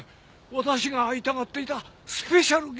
私が会いたがっていたスペシャルゲスト。